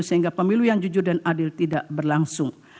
sehingga pemilu yang jujur dan adil tidak berlangsung